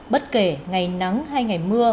bất kể ngày nắng hay ngày mưa